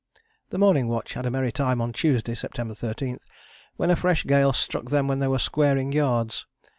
The morning watch had a merry time on Tuesday, September 13, when a fresh gale struck them while they were squaring yards.